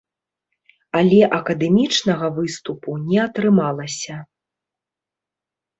Але акадэмічнага выступу не атрымалася.